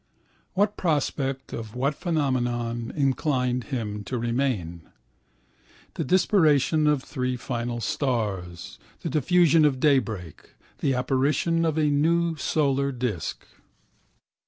What prospect of what phenomena inclined him to remain? The disparition of three final stars, the diffusion of daybreak, the apparition of a new solar disk.